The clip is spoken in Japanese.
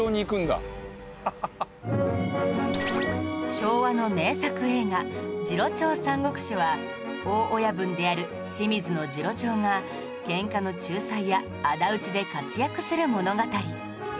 昭和の名作映画『次郎長三国志』は大親分である清水次郎長がケンカの仲裁やあだ討ちで活躍する物語